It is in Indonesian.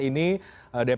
karena kita sudah berbincang